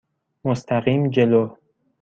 مستقیم جلو.